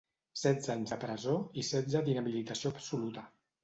Setze anys de presó i setze d’inhabilitació absoluta.